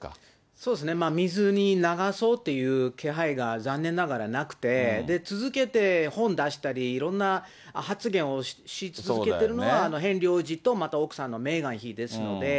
そうですね、水に流そうっていう気配が残念ながらなくて、続けて本出したり、いろんな発言をし続けているのは、ヘンリー王子とまた奥さんのメーガン妃ですので。